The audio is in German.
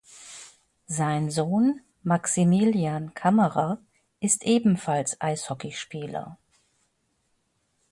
Sein Sohn Maximilian Kammerer ist ebenfalls Eishockeyspieler.